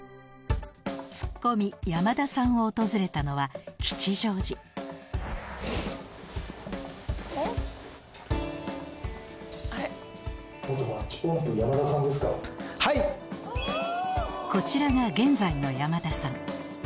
ツッコミ山田さんを訪れたのは吉祥寺こちらが現在の山田さん